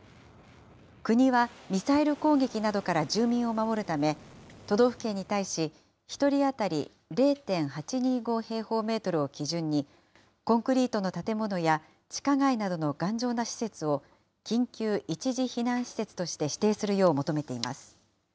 国はミサイル攻撃などから住民を守るため、都道府県に対し、１人当たり０．８２５平方メートルを基準に、コンクリートの建物や、地下街などの頑丈な施設を緊急一時避難施設として指定するよう求めています。